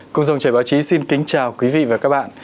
cùng dòng trẻ báo chí xin kính chào quý vị và các bạn